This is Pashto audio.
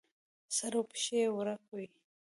سر او پښې یې ورک وي.